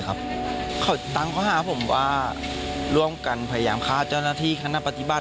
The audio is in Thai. เขาตั้งข้อหาผมว่าร่วมกันพยายามฆ่าเจ้าหน้าที่คณะปฏิบัติ